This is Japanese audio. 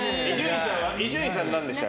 伊集院さん何でした？